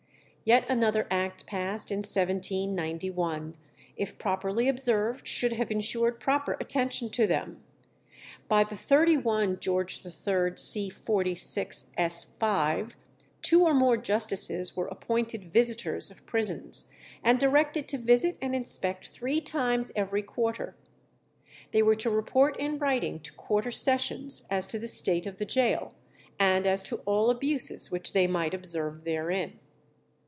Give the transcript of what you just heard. Yet another act passed in 1791, if properly observed, should have insured proper attention to them. By the 31 Geo. III. c. 46, s. 5, two or more justices were appointed visitors of prisons, and directed to visit and inspect three times every quarter. They were to report in writing to quarter sessions as to the state of the gaol, and as to all abuses which they might observe therein.